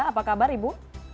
apa kabar ibu